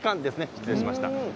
失礼しました。